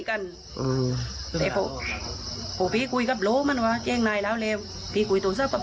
ก็ว่าเขาก็คุยกับบิทำสิ่งนั้นนะครับ